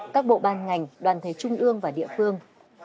các bộ ban ngành đoàn thể trung ương và địa phương